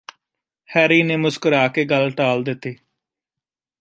Harry ਨੇ ਮੁਸਕਰਾ ਕੇ ਗੱਲ ਟਾਲ ਦਿੱਤੀ